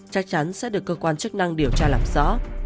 chắc chắn sẽ được cơ quan chức năng điều tra làm rõ